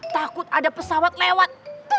takut ada pesawat lewat